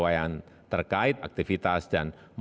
pertimbangan aspek kesehatan harus dihitung secara cermat